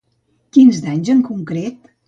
Quins danys en concret?